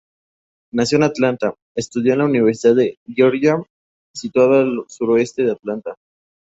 Nacida en Atlanta, estudió en la Universidad de Georgia, situada al noreste de Atlanta.